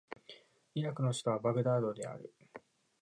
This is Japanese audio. イラクの首都はバグダードである